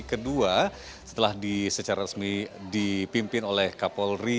kedua setelah secara resmi dipimpin oleh kapolri